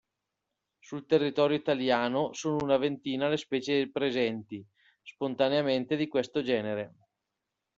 Sul territorio italiano sono una ventina le specie presenti spontaneamente di questo genere.